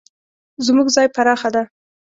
زموږ ځای پراخه ده